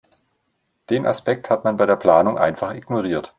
Den Aspekt hat man bei der Planung einfach ignoriert.